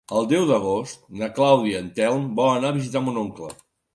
El deu d'agost na Clàudia i en Telm volen anar a visitar mon oncle.